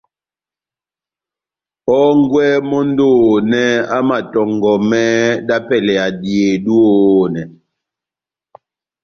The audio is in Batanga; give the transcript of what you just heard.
Hɔ́ngwɛ mɔndi ohonɛ amatɔngɔmɛ dá pɛlɛ ya dihedu ohonɛ.